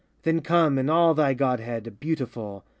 Then come in all thy godhead, beautiful!